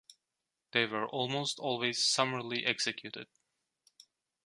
They were almost always summarily executed.